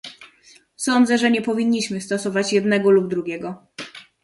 Sądzę, że nie powinniśmy stosować jednego lub drugiego